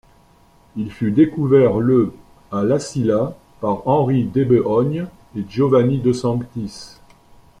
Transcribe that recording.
Il fut découvert le à La Silla par Henri Debehogne et Giovanni de Sanctis.